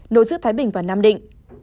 nối giữa thái bình và nam định